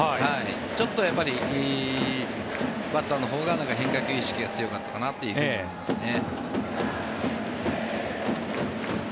ちょっとバッターのほうが変化球意識が強かったかなと思いますね。